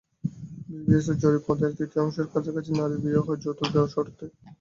বিবিএসের জরিপমতে, এক তৃতীয়াংশের কাছাকাছি নারীর বিয়েই হয় যৌতুক দেওয়ার শর্তে।